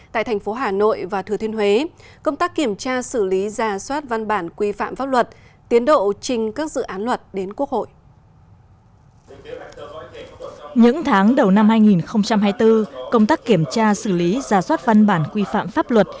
tại thành phố hà nội và thừa thiên huế công tác kiểm tra xử lý ra soát văn bản quy phạm pháp luật